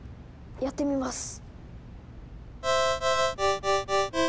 やってみます。